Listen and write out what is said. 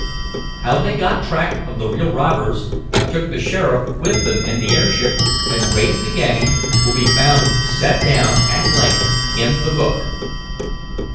How they got track of the real robbers, took the sheriff with them in the airship, and raided the gang will be found set down at length in the book.